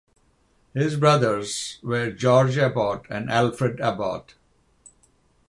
His brothers were George Abbott and Alfred Abbott.